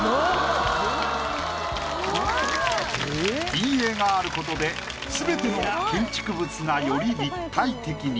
陰影があることで全ての建築物がより立体的に。